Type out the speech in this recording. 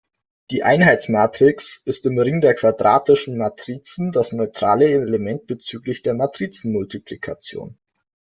Die Einheitsmatrix ist im Ring der quadratischen Matrizen das neutrale Element bezüglich der Matrizenmultiplikation.